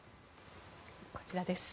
こちらです。